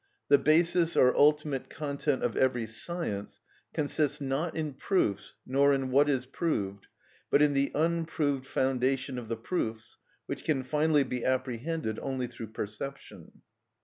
The basis or ultimate content of every science consists, not in proofs, nor in what is proved, but in the unproved foundation of the proofs, which can finally be apprehended only through perception.